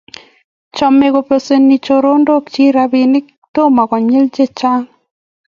Cham kubesenei choronokchich robinik Tom konyil che chang'